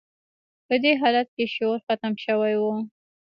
په دې حالت کې شعور ختم شوی و